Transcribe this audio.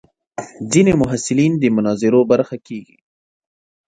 ځینې محصلین د مناظرو برخه کېږي.